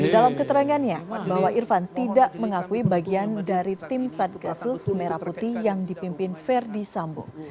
dalam keterangannya bahwa irfan tidak mengakui bagian dari tim satgasus merah putih yang dipimpin verdi sambo